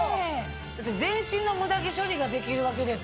だって全身のムダ毛処理ができるわけですからね。